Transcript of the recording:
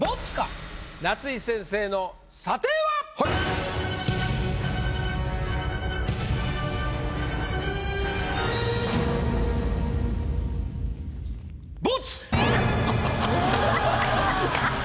夏井先生の査定は⁉ボツ！